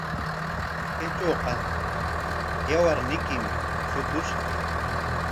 Kaytrawqa yawarniykim shutushqa.